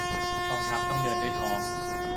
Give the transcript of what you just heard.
กองทัพต้องเดินด้วยท้อง